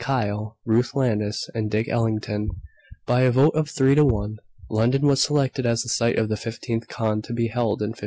Kyle, Ruth Landis and Dick Ellington. By a vote of 3 to 1, London was selected as the site of the 15th Con, to be held in '57.